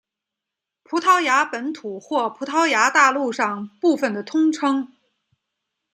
葡萄牙本土或葡萄牙大陆上部分的通称。